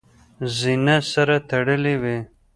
زینه سره تړلې وي .